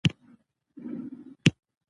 اداره د ټولنې د نظم په ټینګښت کې رول لري.